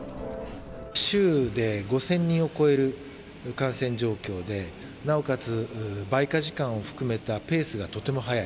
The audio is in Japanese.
週で５０００人を超える感染状況で、なおかつ、倍加時間を含めたペースがとても速い。